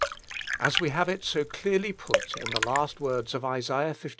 As we have it so clearly put in the last words of Isaiah liii.